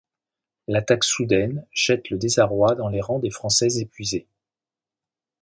L'attaque soudaine jette le désarroi dans les rangs des Français épuisés.